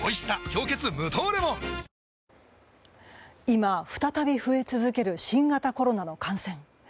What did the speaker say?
今、再び増え続ける新型コロナの感染。